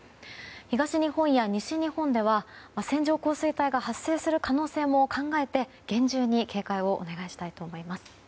東日本や西日本では線状降水帯が発生する可能性も考えて厳重に警戒をお願いしたいと思います。